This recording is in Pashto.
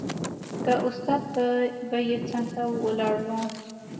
که استاد به يې څنګ ته ولاړ و.